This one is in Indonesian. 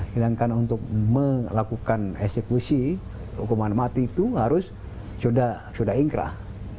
sedangkan untuk melakukan eksekusi hukuman mati itu harus sudah ingkrah